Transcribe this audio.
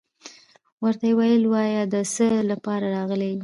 ورته يې ويل وايه دڅه لپاره راغلى يي.